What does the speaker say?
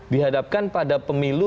dihadapkan pada pemilu